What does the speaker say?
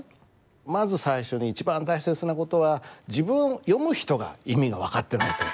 まず最初に一番大切な事は自分読む人が意味が分かってないと。